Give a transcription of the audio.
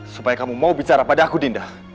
supaya kamu mau bicara padaku dinda